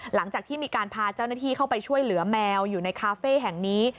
หลังจากที่มีการพาเจ้าหน้าที่เข้าไปช่วยเหลือแมวอยู่ในคาเฟ่แห่งนี้